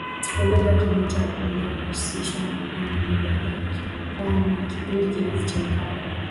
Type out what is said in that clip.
Ugonjwa wa kimeta unahusishwa na mvua nyingi baada ya kipindi kirefu cha ukame